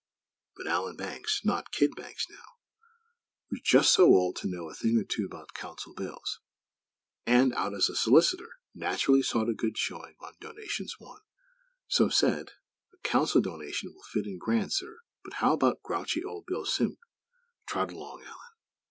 But, Allan Banks, not Kid Banks now, was just so old as to know a thing or two about Council bills; and, out as a solicitor, naturally sought a good showing on donations won, so said; "A Council donation will fit in grand, sir; but how about grouchy old Bill Simpk " "Trot along, Allan."